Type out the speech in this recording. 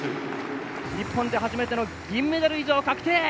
日本で初めての銀メダル以上確定。